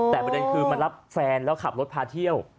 แต่ประเด็นคือมารับแฟนแล้วขับรถพาเที่ยว